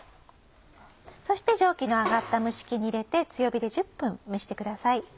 そして蒸気の上がった蒸し器に入れて強火で１０分蒸してください。